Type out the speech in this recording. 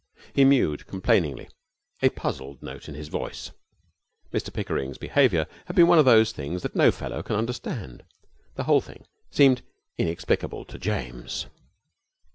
He mewed complainingly, a puzzled note in his voice. Mr Pickering's behaviour had been one of those things that no fellow can understand. The whole thing seemed inexplicable to James.